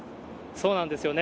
そうなんですよね。